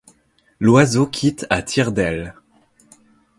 L'oiseau quitte à tire-d'aile